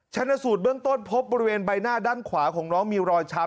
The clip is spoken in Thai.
ชนะสูตรเบื้องต้นพบบริเวณใบหน้าด้านขวาของน้องมีรอยช้ำ